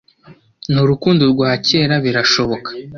ni urukundo rwa kera birashoboka